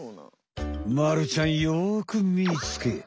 まるちゃんよくみつけ。